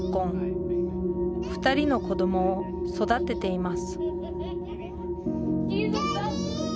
２人の子どもを育てていますダディ！